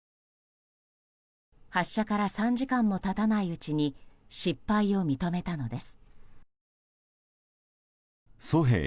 発射から３時間も経たないうちに失敗を認めたのです。